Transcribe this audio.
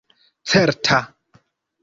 certa